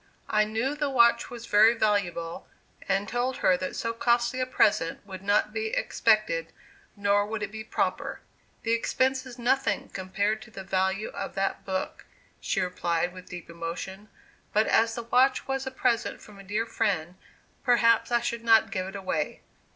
I knew the watch was very valuable, and told her that so costly a present would not be expected, nor would it be proper. "The expense is nothing, compared to the value of that book," she replied, with deep emotion; "but as the watch was a present from a dear friend, perhaps I should not give it away."